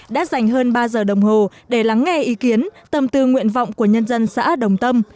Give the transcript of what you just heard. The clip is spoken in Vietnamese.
đã dành hơn ba giờ đồng hồ để lắng nghe ý kiến tâm tư nguyện vọng của nhân dân xã đồng tâm